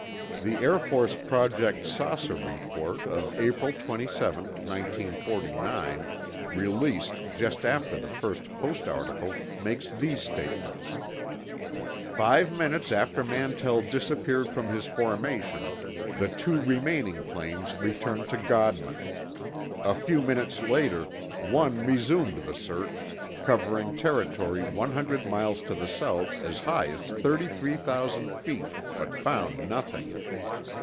The Air Force Project "Saucer" report of April 27, 1949, released just after the first Post article, makes these statements: "Five minutes after Mantell disappeared from his formation, the two remaining planes returned to Godman. A few minutes later, one resumed the search, covering territory 100 miles to the south as high as 33,000 feet, but found nothing.